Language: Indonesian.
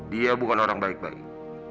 dia bukan orang baik baik